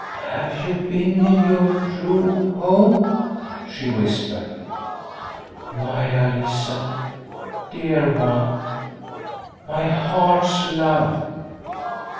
"Have you been in your true home?" she whispered. " Maia Lisa, dear one, my heart's love